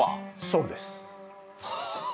そうです。